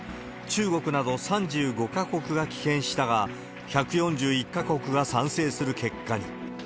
中国など３５か国が棄権したが、１４１か国が賛成する結果に。